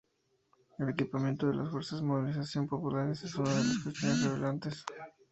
El equipamiento de las Fuerzas de Movilización Populares es una de las cuestiones relevantes.